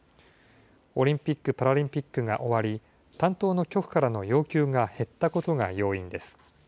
オリンピック・パラリンピックが終わり、担当の局からの要求が減ったことが要因です。